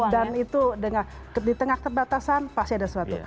dan itu di tengah terbatasan pasti ada sesuatu